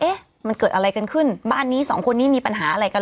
เอ๊ะมันเกิดอะไรกันขึ้นบ้านนี้สองคนนี้มีปัญหาอะไรกัน